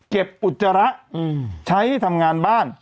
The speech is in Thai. เก็บอุจจาระใช้ที่ทำงานบ้าน